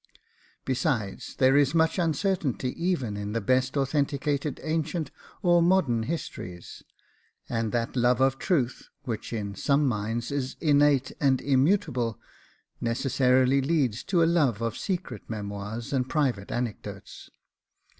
Besides, there is much uncertainty even in the best authenticated ancient or modern histories; and that love of truth, which in some minds is innate and immutable, necessarily leads to a love of secret memoirs and private anecdotes.